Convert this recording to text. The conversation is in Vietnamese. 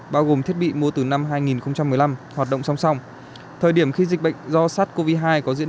bao gồm thiết bị mua từ năm hai nghìn một mươi năm hoạt động song song thời điểm khi dịch bệnh do sars cov hai có diễn